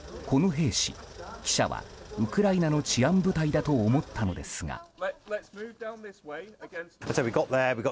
この兵士、記者はウクライナの治安部隊だと思ったのですが。